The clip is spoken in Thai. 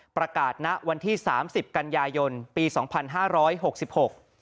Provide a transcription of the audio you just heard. ณวันที่สามสิบกันยายนปีสองพันห้าร้อยหกสิบหก